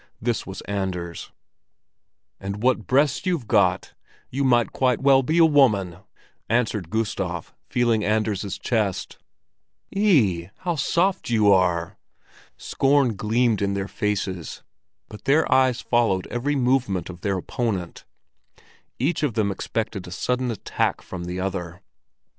This was Anders. "And what breasts you've got! You might quite well be a woman," answered Gustav, feeling Anders' chest. "Eeh, how soft you are!" Scorn gleamed in their faces, but their eyes followed every movement of their opponent. Each of them expected a sudden attack from the other.